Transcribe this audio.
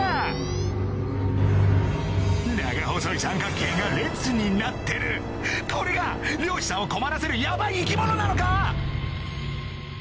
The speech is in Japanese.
長細い三角形が列になってるこれが漁師さんを困らせるヤバイ生き物なのか？